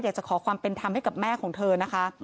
อยากจะขอความเป็นธรรมให้กับแม่ของเธอนะคะ